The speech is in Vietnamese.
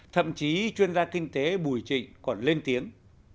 thậm chí chuyên gia kinh tế bùi trịnh còn lên tiếng